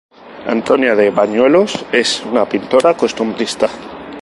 Antonia de Bañuelos es una pintora costumbrista.